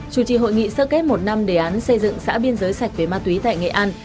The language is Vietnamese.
chủ trì hội nghị sơ kết một năm đề án xây dựng xã biên giới sạch về ma túy tại nghệ an